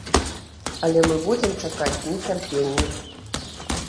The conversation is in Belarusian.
Але мы будзем чакаць з нецярпеннем.